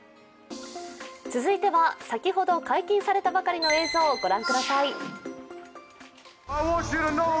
続いては先ほど解禁されたばかりの映像をご覧ください。